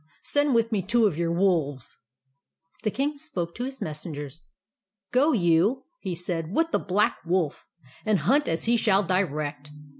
Send with me two of your wolves." The King spoke to his Messengers. " Go you," he said, " with the Black Wolf, and hunt as he shall direct.